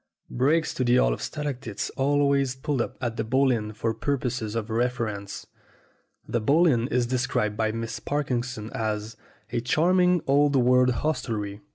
Brakes to the Hall of Stalactites always pulled up at the Bull Inn for purposes of reference. The Bull Inn is described by Miss Parkinson as "a charming old world hostelry."